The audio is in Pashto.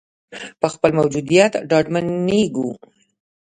په خپل موجودیت ډاډمنېږو.